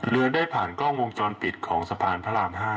เรือได้ผ่านกล้องวงจรปิดของสะพานพระราม๕